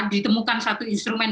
ditemukan satu instrumen